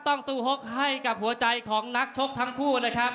ต้องสู้ฮกให้กับหัวใจของนักชกทั้งคู่นะครับ